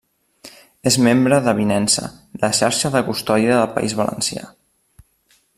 És membre d'Avinença, la xarxa de custòdia del País Valencià.